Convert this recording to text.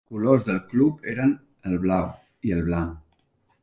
Els colors del club eren el blau i el blanc.